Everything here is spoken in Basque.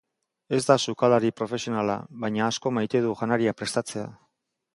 Ez da sukaldari profesionala, baina asko maite du janaria prestatzea.